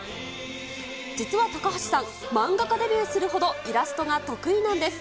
実は高橋さん、漫画家デビューするほどイラストが得意なんです。